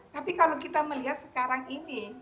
tapi kalau kita melihat sekarang ini